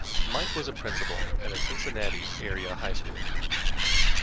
Mike was a principal at a Cincinnati-area high school.